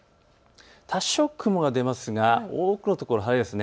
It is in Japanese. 多少雲が出ますが多くの所、晴れです。